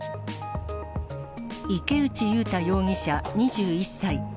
池内悠太容疑者２１歳。